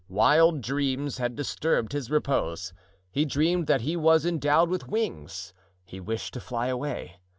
Wild dreams had disturbed his repose. He dreamed that he was endowed with wings—he wished to fly away.